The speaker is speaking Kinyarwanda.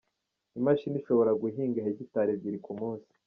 Imashini ishobora guhinga hegitari ebyiri ku munsi.